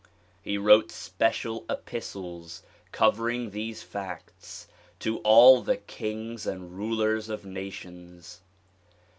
He wrote special epistles covering these facts to all the kings and rulers of nations.